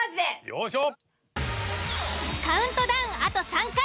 よいしょ！